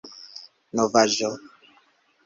novaĵo